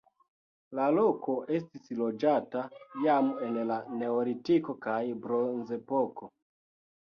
La loko estis loĝata jam en la neolitiko kaj bronzepoko.